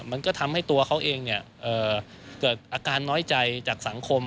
มันก็ทำให้ตัวเขาเองเกิดอาการน้อยใจจากสังคม